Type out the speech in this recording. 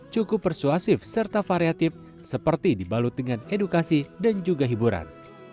cukup persuasif serta variatif seperti dibalut dengan edukasi dan juga hiburan